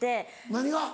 何が？